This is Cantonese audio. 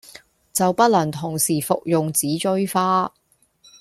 就不能同時服用紫錐花